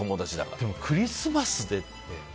でもクリスマスでって。